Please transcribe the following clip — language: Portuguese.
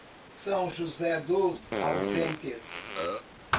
São José dos Ausentes